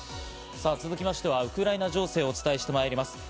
続きましてはウクライナ情勢をお伝えしてまいります。